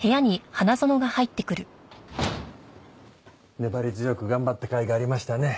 粘り強く頑張ったかいがありましたね。